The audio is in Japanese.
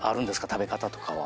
食べ方とかは。